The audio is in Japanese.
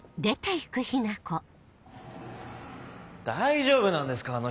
大丈夫なんですか？